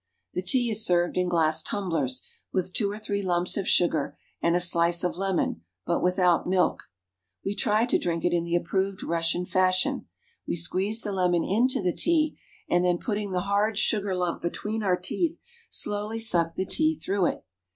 The tea is served in glass tumblers, with two or three lumps of sugar and a slice of lemon, but without milk. We try to drink it in the approved Russian fashion. We squeeze the lemon into the tea, and then, putting the hard sugar lump be tween our teeth, slowly suck the tea through it.